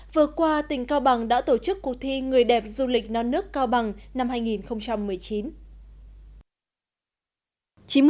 vừa qua tỉnh cao bằng đã tổ chức cuộc thi người đẹp du lịch non nước cao bằng năm hai nghìn một mươi chín